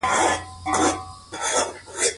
کلي د افغانانو ژوند اغېزمن کوي.